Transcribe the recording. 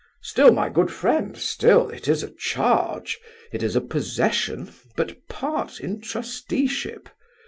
"Still my good friend, still! It is a charge; it is a possession, but part in trusteeship.